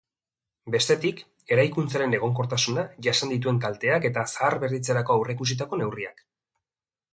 Bestetik, eraikuntzaren egonkortasuna, jasan dituen kalteak eta zaharberritzerako aurreikusitako neurriak.